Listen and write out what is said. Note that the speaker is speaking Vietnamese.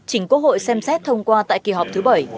chính quốc hội xem xét thông qua tại kỳ họp thứ bảy